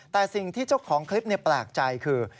แต่ที่สิ่งที่เจ้าของคลิปปรากฏใจคือ